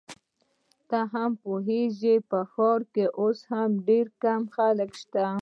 ته به هم پوهیږې، په ښار کي اوس ډېر کم خلک شته.